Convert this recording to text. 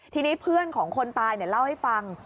ทีนี้เพื่อนของคนตายเล่าให้ฟัง